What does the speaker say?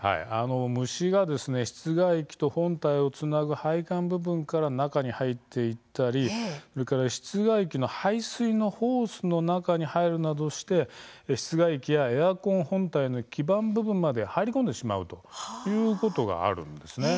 虫が室外機と本体をつなぐ配管部分から中に入っていったり室外機の排水のホースの中に入るなどして室外機やエアコン本体の基盤部分まで入り込んでしまうことがあります。